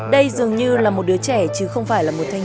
đây dường như là một đứa trẻ chứ không phải là một thanh niên